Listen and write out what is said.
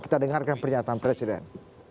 kita dengarkan pernyataan presiden